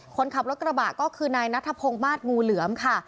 คนขับรถกระบะก็คือนายนัทพงศ์มาสงูเหลือมค่ะ